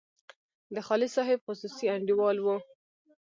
د خالص صاحب خصوصي انډیوال وو.